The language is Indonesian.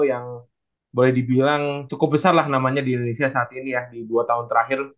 yang boleh dibilang cukup besar lah namanya di indonesia saat ini ya di dua tahun terakhir